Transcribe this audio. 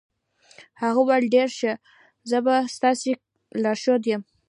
هغه وویل ډېر ښه، زه به ستاسې لارښود یم.